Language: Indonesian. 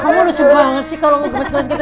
kamu lucu banget sih kalau mau gemes gemes gitu